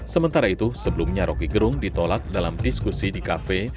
sementara itu sebelumnya roky gerung ditolak dalam diskusi di kafe